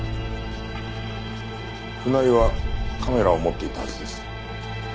船井はカメラを持っていたはずです。